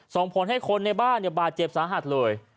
ส่งผลให้คนในบ้านบาดเจ็บสาหัสเลย